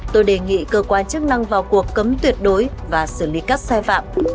tôi đề nghị cơ quan chức năng vào cuộc cấm tuyệt đối và xử lý các xe vạm